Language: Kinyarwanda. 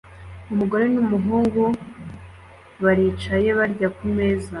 Umugore n'umuhungu baricaye barya kumeza